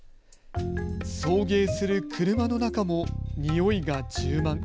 送迎する車の中もにおいが充満。